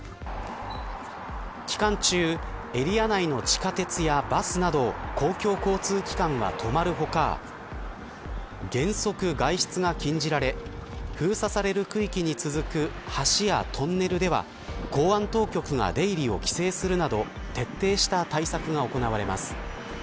期間中エリア内の地下鉄やバスなど公共交通機関は止まるほか原則、外出が禁じられ封鎖される区域に続く橋やトンネルでは公安当局が出入りを規制するなど徹底した対策が行われます。